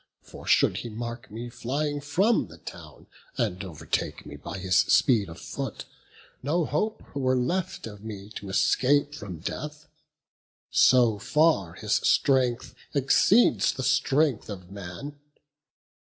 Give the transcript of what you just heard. For should he mark me flying from the town, And overtake me by his speed of foot, No hope were left me of escape from death. So far his strength exceeds the strength of man.